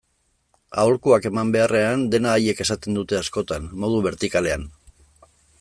Aholkuak eman beharrean, dena haiek esaten dute askotan, modu bertikalean.